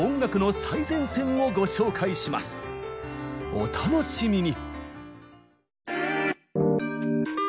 お楽しみに！